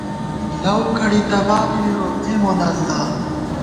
لؤ کڑی تبابی مِروت، اے مونہ اللہ